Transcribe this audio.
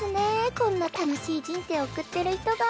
こんな楽しい人生送ってる人が。